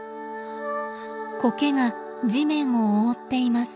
コケが地面を覆っています。